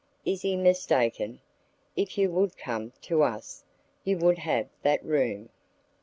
Is he mistaken? If you would come to us, you would have that room."